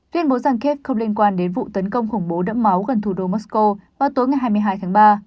tuyên bố rằng kiev không liên quan đến vụ tấn công khủng bố đẫm máu gần thủ đô moscow vào tối hai mươi hai tháng ba